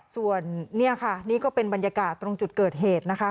ส่วนเนี่ยค่ะนี่ก็เป็นบรรยากาศตรงจุดเกิดเหตุนะคะ